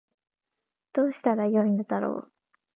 どうしたら良いのだろう